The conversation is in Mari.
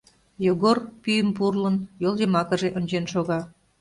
Йогор, пӱйым пурлын, йол йымакыже ончен шога.